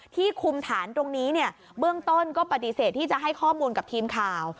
ที่คุมฐานตรงนี้เนี่ยเบื้องต้นก็ปฏิเสธที่จะให้ข้อมูลกับทีมข่าว